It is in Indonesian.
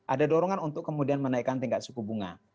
ada dorongan untuk kemudian menaikkan tingkat suku bunga